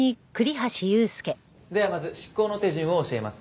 ではまず執行の手順を教えます。